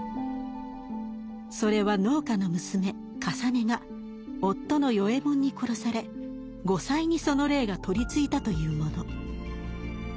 それは農家の娘累が夫の与右衛門に殺され後妻にその霊が取りついたというもの。